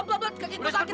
pelan pelan kaki gue sakit